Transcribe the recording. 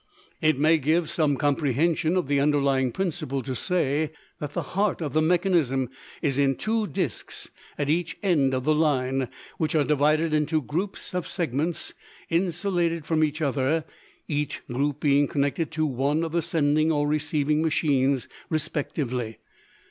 It may give some comprehension of the underlying principle to say that the heart of the mechanism is in two disks at each end of the line, which are divided into groups of segments insulated from each other, each group being connected to one of the sending or receiving machines, respectively.